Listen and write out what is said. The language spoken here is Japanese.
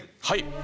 はい。